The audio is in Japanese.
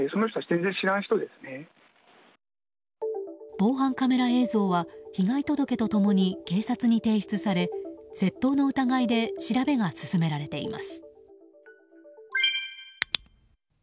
防犯カメラ映像は被害届と共に警察に提出され窃盗の疑いで調べが進められています。